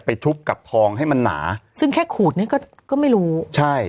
ชุบกับทองให้มันหนาซึ่งแค่ขูดนี่ก็ก็ไม่รู้ใช่